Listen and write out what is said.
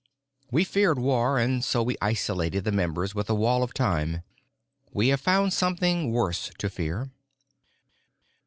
We feared war, and so we isolated the members with a wall of time. We have found something worse to fear.